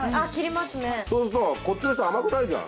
そうするとこっちの人甘くないじゃん。